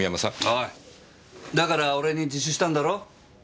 おいだから俺に自首したんだろ？